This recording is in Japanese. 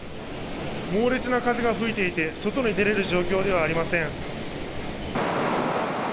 猛烈な風が吹いていて、外に出れる状況ではありません。